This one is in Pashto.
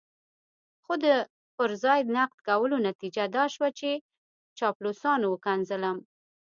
خو د پر ځای نقد کولو نتيجه دا شوه چې چاپلوسانو وشکنځلم.